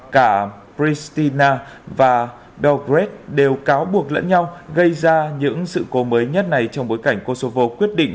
cả pristina và belgrade đều cáo buộc lẫn nhau gây ra những sự cố mới nhất này trong bối cảnh kosovo quyết định